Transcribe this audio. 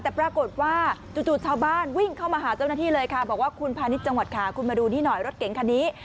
แต่ปรากฏว่าจู่ชาวบ้านวิ่งเข้ามาหาเจ้าหน้าที่เลยค่ะบอกว่าคุณพาณิชย์จังหวัดค่ะคุณมาดูนี่หน่อยรถเก๋งคันนี้